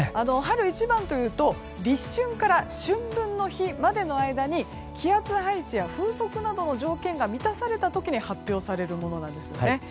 春一番というと立春から春分の日までの間に気圧配置や風速などの条件が満たされた時に発表されるものなんです。